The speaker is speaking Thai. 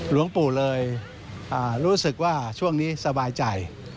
หลวงปู่เลยรู้สึกว่าช่วงนี้สบายใจ